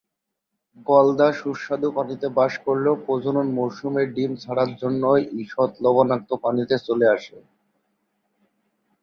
গলদা স্বাদু পানিতে বাস করলেও প্রজনন মৌসুমে ডিম ছাড়ার জন্য ঈষৎ লবণাক্ত পানিতে চলে আসে।